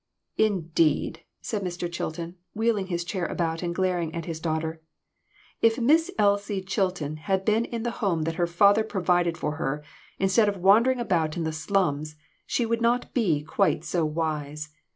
" Indeed !" said Mr. Chilton, wheeling his chair about and glaring at his daughter; "if Miss Elsie Chilton had been in the home that her father pro vided for her instead of wandering about in the slums, she would not be quite so wise.